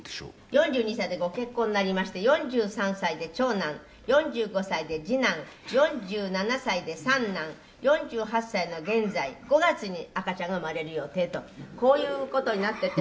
「４２歳でご結婚になりまして４３歳で長男４５歳で次男４７歳で三男４８歳の現在５月に赤ちゃんが生まれる予定とこういう事になっていて。